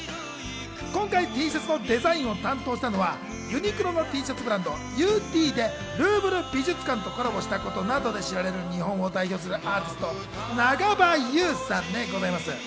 今回、Ｔシャツのデザインを担当したのはユニクロのＴシャツブランド、ＵＴでルーヴル美術館とコラボをしたことなどで知られる日本を代表するアーティスト・長場雄さんでございます。